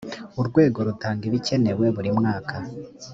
urwego rutanga ibikenewe burimwaka.